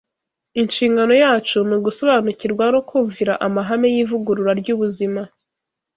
Inshingano yacu ni ugusobanukirwa no kumvira amahame y’ivugurura ry’ubuzima